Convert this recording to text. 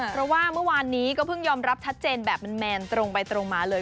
เพราะว่าเมื่อวานนี้ก็เพิ่งยอมรับชัดเจนแบบแมนตรงไปตรงมาเลย